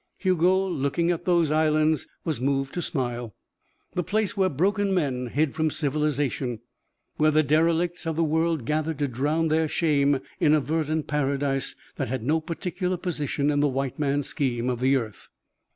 Hugo, looking at those islands, was moved to smile. The place where broken men hid from civilization, where the derelicts of the world gathered to drown their shame in a verdant paradise that had no particular position in the white man's scheme of the earth.